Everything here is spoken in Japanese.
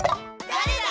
だれだ？